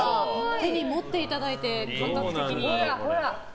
手に持っていただいて感覚的には。